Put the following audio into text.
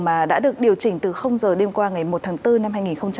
mà đã được điều chỉnh từ h đêm qua ngày một tháng bốn năm hai nghìn hai mươi hai